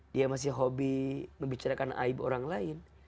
dia masih hobi membicarakan aib orang lain